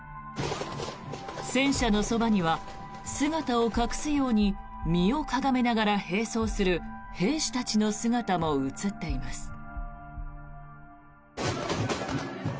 戦車のそばには、姿を隠すように身をかがめながら並走する兵士たちの姿も映っています。